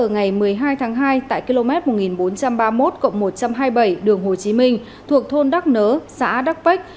ngày một mươi hai tháng hai tại km một nghìn bốn trăm ba mươi một một trăm hai mươi bảy đường hồ chí minh thuộc thôn đắc nớ xã đắc